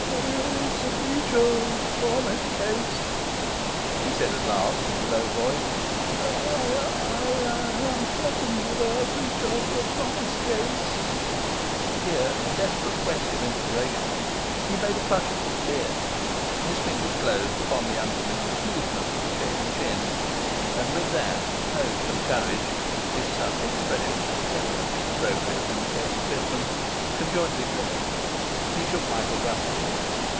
'It's a breach of promise case,' he said at last, in a low voice. 'I I am threatened with a breach of promise case.' Here, in desperate quest of inspiration, he made a clutch at his beard; his fingers closed upon the unfamiliar smoothness of a shaven chin; and with that, hope and courage (if such expressions could ever have been appropriate in the case of Pitman) conjointly fled. He shook Michael roughly.